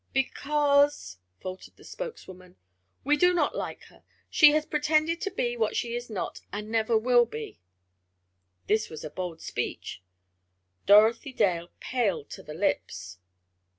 "Because " faltered the spokeswoman, "we do not like her. She has pretended to be what she is not, and never will be." This was a bold speech. Dorothy Dale paled to the lips.